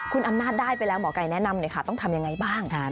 คุณอำนาจได้ไปแล้วหมอไก่แนะนำเลยค่ะต้องทำยังไงบ้าง